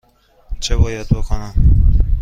چه باید بکنم؟